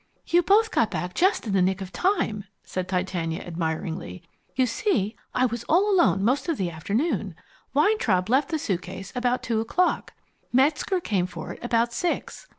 "You both got back just in the nick of time," said Titania admiringly. "You see I was all alone most of the afternoon. Weintraub left the suitcase about two o'clock. Metzger came for it about six.